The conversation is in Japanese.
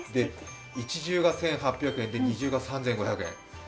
一重が１８００円で、二重が３５００円。